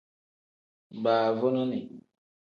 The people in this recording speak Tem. Baavunini.